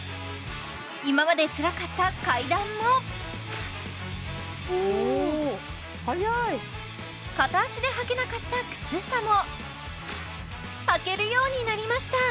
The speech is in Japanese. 今までつらかった階段もおお早い片足ではけなかった靴下もはけるようになりました